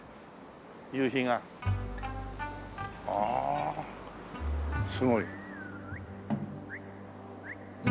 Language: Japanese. ああすごい。